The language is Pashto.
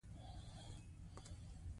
زردالو د کال په ځانګړي وخت کې پیدا کېږي.